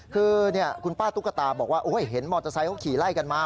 คือคุณป้าตุ๊กตาบอกว่าเห็นมอเตอร์ไซค์ขี่ไล่กันมา